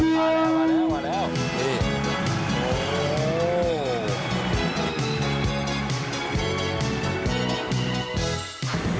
มาแล้วนี่